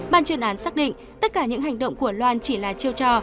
ban chuyên án xác định tất cả những hành động của loan chỉ là chiêu trò